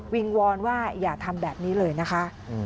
วอนว่าอย่าทำแบบนี้เลยนะคะ